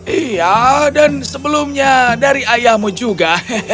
iya dan sebelumnya dari ayahmu juga